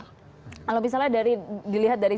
kalau misalnya dilihat dari